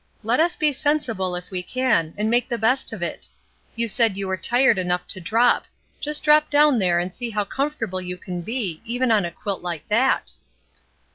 Let us be sensible, if we can, and make the best of it. You said you were tired enough to drop; just drop down there and see how comfortable you can be, even on a quilt like that."